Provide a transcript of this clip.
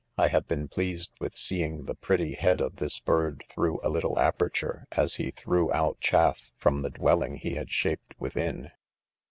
I have been pleased with seeing the pretty , head of this bird through a little aperture, as he threw out chaff from the dwelling he had shaped within.